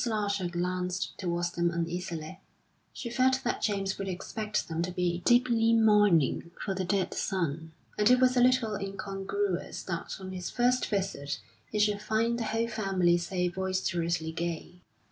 Larcher glanced towards them uneasily; she felt that James would expect them to be deeply mourning for the dead son, and it was a little incongruous that on his first visit he should find the whole family so boisterously gay.